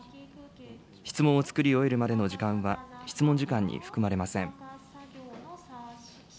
質問を作り終えるまでの時間は、質問時間に含まれません。